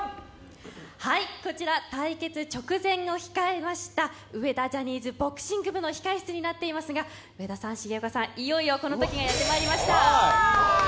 こちら対決直前を控えました、上田ジャニーズボクシング部の控え室になっていますが、上田さん、重岡さん、いよいよこのときがやってまいりました。